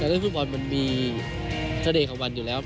แต่เล่นฟุตบอลมันมีทะเดยของมันอยู่แล้ว